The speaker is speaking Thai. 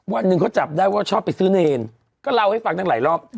วันหนึ่งเขาจับได้ว่าชอบไปซื้อเนรก็เล่าให้ฟังตั้งหลายรอบ